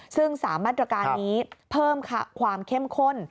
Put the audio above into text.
ซึ่ง๓มาตรการนี้เพิ่มความเข้มข้น